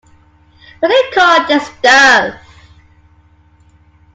What do you call this stuff?